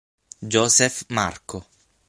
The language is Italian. Jozef Marko